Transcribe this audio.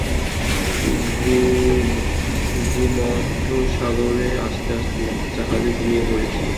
ভূমধ্যসাগরে আসতে আসতে জাহাজে ঘুমিয়ে পড়েছি।